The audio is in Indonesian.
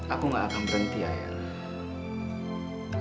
aku gak akan berhenti ayah